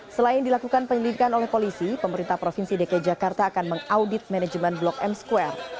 selain dilakukan penyelidikan oleh polisi pemerintah provinsi dki jakarta akan mengaudit manajemen blok m square